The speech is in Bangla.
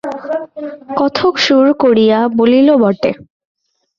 কথক সুর করিয়া বলিল বটে।